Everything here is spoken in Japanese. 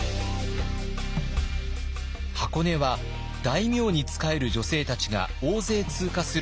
箱根は大名に仕える女性たちが大勢通過する場所でもありました。